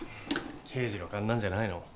刑事の勘なんじゃないの？